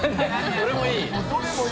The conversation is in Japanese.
どれもいい？